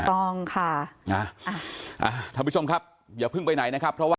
ต้องค่ะนะท่านผู้ชมครับอย่าเพิ่งไปไหนนะครับเพราะว่า